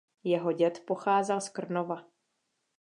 Jeho děd pocházel z Krnova.